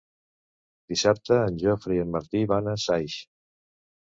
Dissabte en Jofre i en Martí van a Saix.